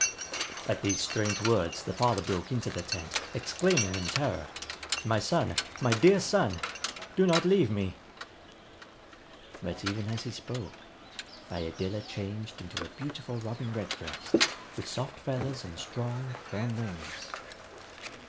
At these strange words the father broke into the tent, exclaiming in terror, "My son, my dear son! Do not leave me!" But, even as he spoke, Iadilla changed into a beautiful Robin Redbreast with soft feathers and strong, firm wings.